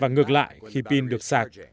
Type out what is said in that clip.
và ngược lại khi pin được xạc